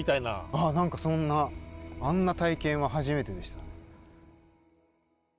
ああ何かそんなあんな体験は初めてでした。